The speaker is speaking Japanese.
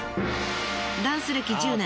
ダンス歴１０年